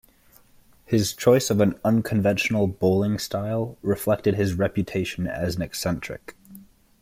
His choice of an unconventional bowling style reflected his reputation as an eccentric.